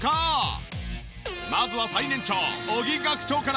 まずは最年長尾木学長から。